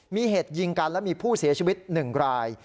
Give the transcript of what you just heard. มีเหตุยิงกันและมีผู้เสียชีวิต๑ราย